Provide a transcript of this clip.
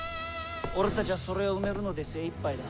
俺たちゃそれを埋めるので精いっぱいだ。